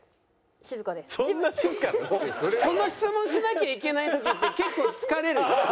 その質問しなきゃいけない時って結構疲れるよ。